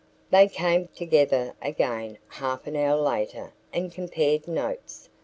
They came together again half an hour later and compared notes.